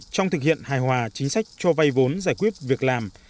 trong thực hiện hài hòa chính sách cho vay vốn giải quyết việc làm